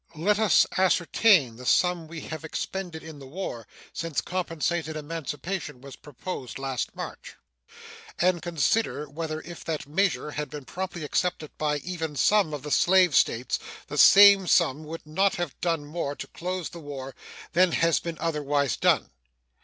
Let us ascertain the sum we have expended in the war since compensated emancipation was proposed last March, and consider whether if that measure had been promptly accepted by even some of the slave States the same sum would not have done more to close the war than has been otherwise done.